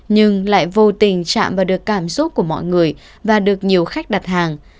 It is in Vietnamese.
nhưng lại vô tình chạm vào được cảm xúc của mọi người và được nhiều khách đặt hàng